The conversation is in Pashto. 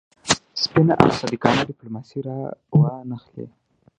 سپینه او صادقانه ډیپلوماسي را وانه خلي.